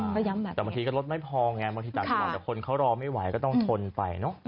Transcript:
แต่บางทีก็รถไม่พอแต่คนเขารอไม่ไหวก็ต้องทนไป